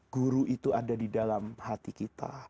guru itu ada di dalam hati kita